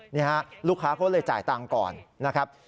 นี่ฮะลูกค้าเขาเลยจ่ายตังค์ก่อนนะครับ